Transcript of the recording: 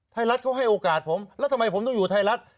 ไทยรัฐเขาให้โอกาสผมแล้วทำไมผมต้องอยู่ไทยรัฐ